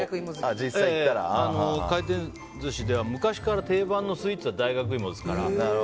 回転寿司では昔から定番のスイーツは大学いもですから。